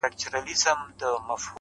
د انسانانو په جنګ راغلې!!